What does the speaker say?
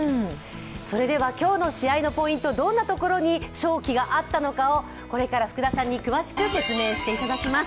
今日の試合のポイント、どんなところに勝機があったのかをこれから福田さんに詳しく説明していただきます。